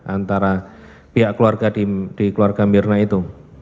antara pihak keluarga di keluarga mirna itu